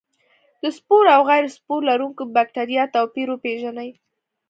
د سپور او غیر سپور لرونکو بکټریا توپیر وپیژني.